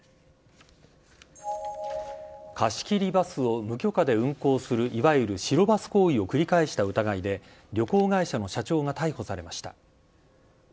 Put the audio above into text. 貸し切りバスを無許可で運行する、いわゆる白バス行為を繰り返した疑いで、旅行会社の社長が逮捕されました。